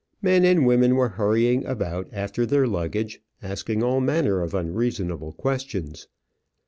Men and women were hurrying about after their luggage, asking all manner of unreasonable questions.